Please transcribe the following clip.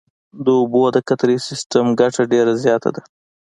د اوبو د قطرهیي سیستم ګټه ډېره زیاته ده.